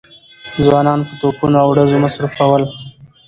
ځوانان په توپونو او ډزو مصروف ول.